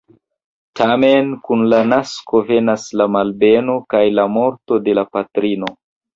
Tamen kun la nasko venas la malbeno kaj la morto de la patrino.